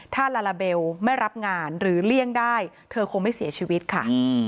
ถ้าลาลาเบลไม่รับงานหรือเลี่ยงได้เธอคงไม่เสียชีวิตค่ะ